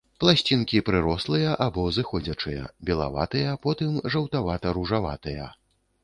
Пласцінкі прырослыя або зыходзячыя, белаватыя, потым жаўтавата-ружаватыя.